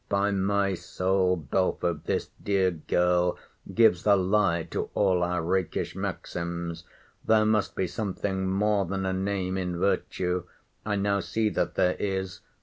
By my soul, Belford, this dear girl gives the lie to all our rakish maxims. There must be something more than a name in virtue!—I now see that there is!